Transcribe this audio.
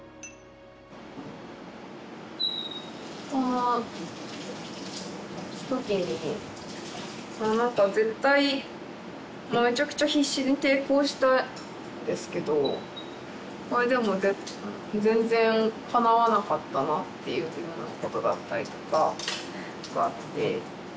そのときに何か絶対めちゃくちゃ必死に抵抗したんですけどそれでも全然かなわなかったなってことだったりとかがあって。